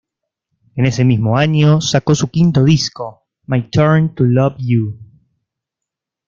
En ese mismo año sacó su quinto disco "My Turn to Love You".